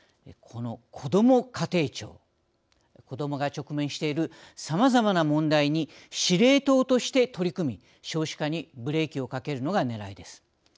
このこども家庭庁子どもが直面しているさまざまな問題に司令塔として取り組み少子化にブレーキをかけるのがねらいです。